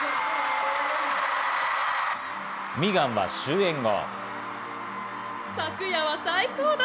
ミーガンは終演後。